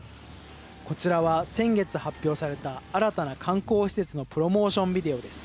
こちらは、先月発表された新たな観光施設のプロモーションビデオです。